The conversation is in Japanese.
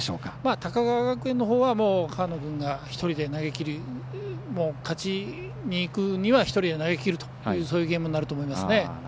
高川学園のほうは河野君が勝ちにいくには１人で投げきるというそういうゲームになると思います。